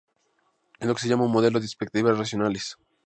Es lo que se llama un modelo de expectativas racionales.